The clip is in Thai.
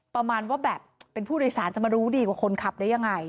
ประมาณว่าแบบเป็นผู้โดยสารจะมารู้ดีกว่าคนขับได้ยังไง